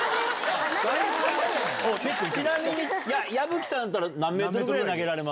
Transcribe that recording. ちなみに、矢吹さんだったら、何メートルぐらい投げられます？